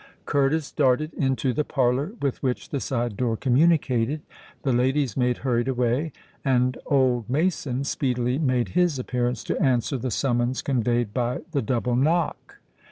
Curtis darted into the parlour with which the side door communicated: the lady's maid hurried away: and old Mason speedily made his appearance to answer the summons conveyed by the double knock.